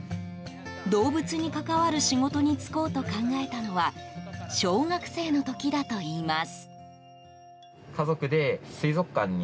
動物に関わる仕事に就こうと考えたのは小学生の時だといいます。